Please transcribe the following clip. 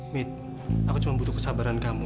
mit aku cuma butuh kesabaran kamu